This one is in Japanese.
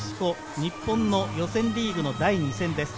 日本の予選リーグの第２戦です。